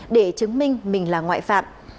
để chứng minh mình là ngoại phạm